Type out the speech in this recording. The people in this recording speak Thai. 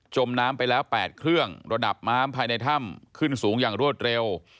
มน้ำไปแล้ว๘เครื่องระดับน้ำภายในถ้ำขึ้นสูงอย่างรวดเร็ว